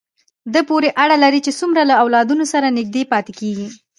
دې پورې اړه لري چې څومره له اولادونو سره نږدې پاتې کېږي.